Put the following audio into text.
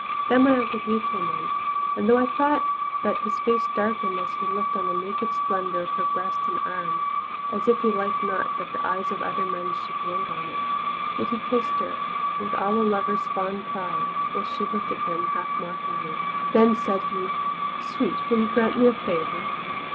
Then my Uncle Hugh came in, and though I thought that his face darkened as he looked on the naked splendour of her breast and arms, as if he liked not that the eyes of other men should gloat on it, yet he kissed her with all a lover's fond pride, while she looked at him half mockingly. Then said he, "Sweet, will you grant me a favour?"